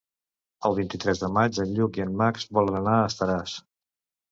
El vint-i-tres de maig en Lluc i en Max volen anar a Estaràs.